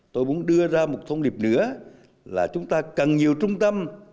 tôi muốn đưa ra một thông điệp nữa là chúng ta cần nhiều trung tâm